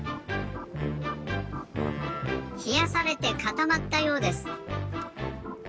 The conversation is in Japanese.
ひやされてかたまったようです。